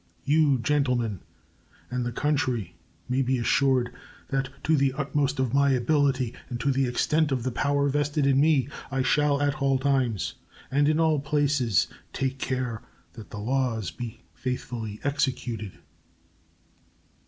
You, gentlemen, and the country may be assured that to the utmost of my ability and to the extent of the power vested in me I shall at all times and in all places take care that the laws be faithfully executed.